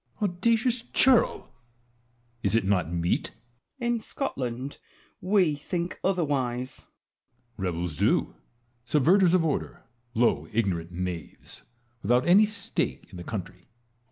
Edward. Audacious churl ! is it not meet ? Wallace. In Scotland we think otherwise. Edward. Rebels do, subverters of order, low ignorant knaves, without any stake in the country.